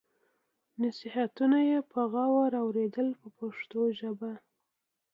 نصیحتونه یې په غور اورېدل په پښتو ژبه.